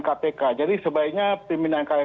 kpk jadi sebaiknya pimpinan